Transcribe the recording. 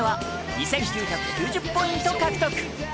２９９０ポイント獲得